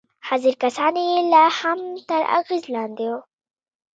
حاضر کسان يې لا هم تر اغېز لاندې وو.